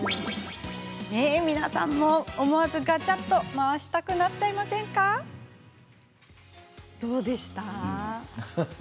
皆さんも思わずガチャっと回したくなっちゃいましたか。